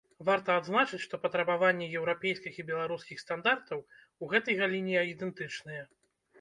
Варта адзначыць, што патрабаванні еўрапейскіх і беларускіх стандартаў у гэтай галіне ідэнтычныя.